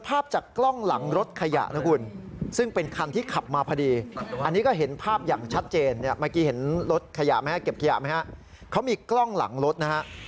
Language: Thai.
เมื่อกี้เห็นรถขยะไหมฮะเก็บขยะไหมฮะเขามีกล้องหลังรถนะฮะ